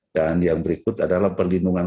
dan yang berikut adalah perlindungan